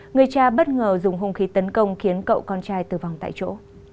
người cha bất ngờ dùng hung khí tấn công khiến cậu con trai tử vong tại chỗ